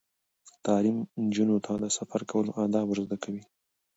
تعلیم نجونو ته د سفر کولو آداب ور زده کوي.